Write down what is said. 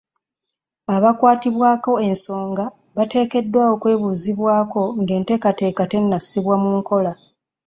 Abakwatibwako ensonga bateekeddwa okwebuuzibwako nga enteekateeka tennasibwa mu nkola.